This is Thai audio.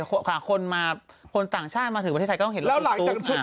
ความเป็นไทยคนต่างชาติมาถือประเทศไทยก็ต้องเห็นเรื่องตรงนี้